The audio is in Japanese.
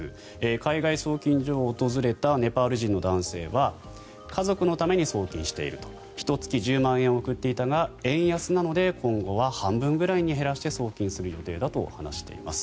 海外送金所を訪れたネパール人の男性は家族のために送金しているひと月１０万円を送っていたが円安なので今後は半分ぐらいに減らして送金する予定だと話しています。